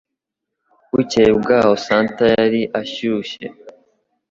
Bukeye bwaho Santa yari ashyushye